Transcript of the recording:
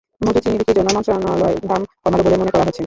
মজুত চিনি বিক্রির জন্যই মন্ত্রণালয় দাম কমাল বলে মনে করা হচ্ছে।